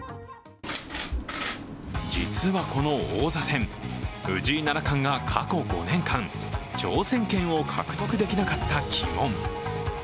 実はこの王座戦、藤井七冠が過去５年間挑戦権を獲得できなかった鬼門。